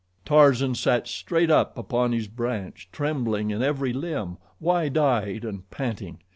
Tarzan sat straight up upon his branch trembling in every limb, wide eyed and panting.